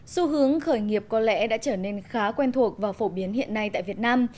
xu hướng khởi nghiệp có lẽ đã trở nên khá quen thuộc và phổ biến hiện nay tại việt nam